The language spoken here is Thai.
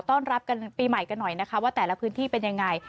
ต้อนรับปีใหม่กันหน่อยว่าแต่ละพื้นที่เป็นอย่างไร